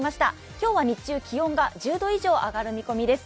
今日は日中気温が１０度以上上がる見込みです。